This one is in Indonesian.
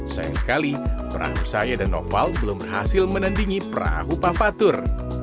sayang sekali perahu saya dan noval belum berhasil menandingi perahu pavatur